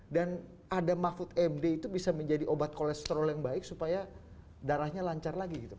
ada mahfud md itu bisa menjadi obat kolesterol yang baik supaya darahnya lancar lagi gitu